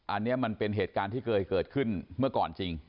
อันนี้มันเป็นเหตุการณ์ที่เคยเกิดขึ้นเมื่อก่อนจริง